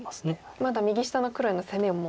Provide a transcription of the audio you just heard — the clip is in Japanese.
まだ右下の黒への攻めも狙ってると。